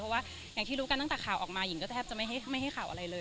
เพราะว่าอย่างที่รู้กันตั้งแต่ข่าวออกมาหญิงก็แทบจะไม่ให้ข่าวอะไรเลย